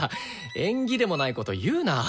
縁起でもないこと言うな！